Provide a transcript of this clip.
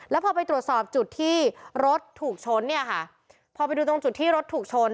แล้วพอไปตรวจสอบจุดที่รถถูกชนเนี่ยค่ะพอไปดูตรงจุดที่รถถูกชน